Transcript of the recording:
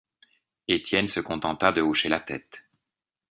Étienne se contenta de hocher la tête.